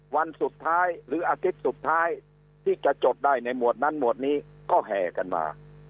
วันสุดท้ายหรืออาทิตย์สุดท้ายที่จะจดได้ในหมวดนั้นหมวดนี้ก็แห่กันมา